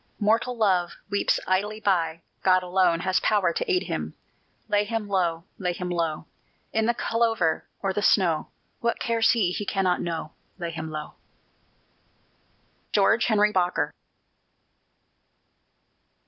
Mortal love weeps idly by: God alone has power to aid him. Lay him low, lay him low, In the clover or the snow! What cares he? he cannot know: Lay him low! GEORGE HENRY BOKER.